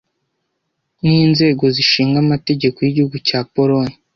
ninzego zishinga amategeko y'igihugu cya Polonye